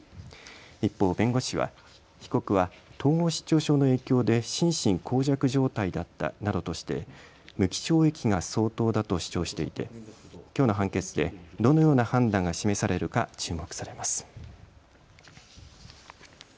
一方、弁護士は被告は統合失調症の影響で心神耗弱状態だったなどとして無期懲役が相当だと主張していてきょうの判決でどのような判断が示されるか注目されます。